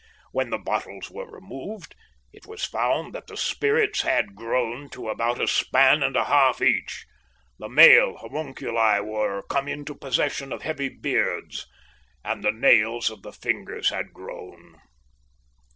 When the bottles were removed, it was found that the spirits had grown to about a span and a half each; the male homunculi were come into possession of heavy beards, and the nails of the fingers had grown.